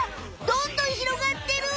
どんどんひろがってる！